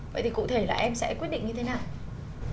vậy thì cụ thể là em sẽ quyết định như thế nào